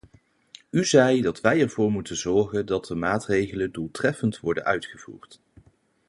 U zei dat wij ervoor moeten zorgen dat de maatregelen doeltreffend worden uitgevoerd.